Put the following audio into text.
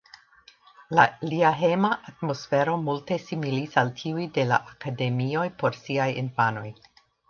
Lia hejma atmosfero multe similis al tiuj de la akademioj por siaj infanoj.